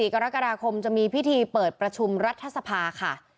กรกฎาคมจะมีพิธีเปิดประชุมรัฐสภาค่ะ